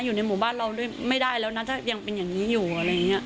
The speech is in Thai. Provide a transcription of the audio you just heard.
อยู่ในหมู่บ้านเราไม่ได้แล้วนะถ้ายังเป็นอย่างนี้อยู่อะไรอย่างนี้